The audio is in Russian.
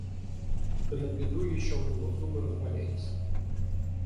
Да на беду еще у него зубы разболелись.